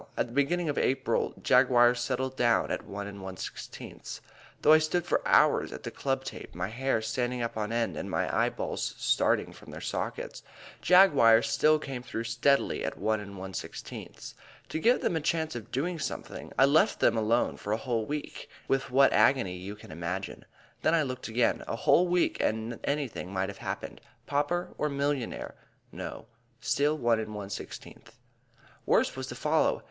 At the beginning of April Jaguars settled down at 1 1/16. Though I stood for hours at the club tape, my hair standing up on end and my eyeballs starting from their sockets, Jaguars still came through steadily at 1 1/16. To give them a chance of doing something, I left them alone for a whole week with what agony you can imagine. Then I looked again; a whole week and anything might have happened. Pauper or millionaire? No, still 1 1/16. Worse was to follow.